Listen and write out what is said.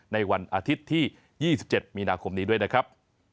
ในวันอาทิตย์ที่๒๗มีนาคมนี้ด้วยนะครับ